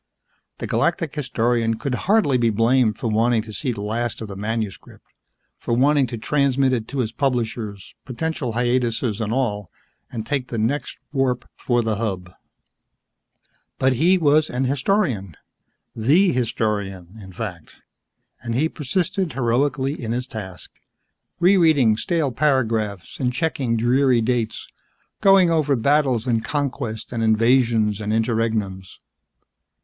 The Galactic Historian could hardly be blamed for wanting to see the last of the manuscript, for wanting to transmit it to his publishers, potential hiatuses and all, and take the next warp for the Hub. But he was an historian the historian, in fact and he persisted heroically in his task, rereading stale paragraphs and checking dreary dates, going over battles and conquests and invasions and interregnums.